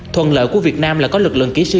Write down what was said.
thuận lợi của việt nam là có lực lượng kỹ sư